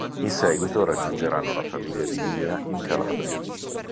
In seguito raggiungeranno la famiglia di Mia in Calabria.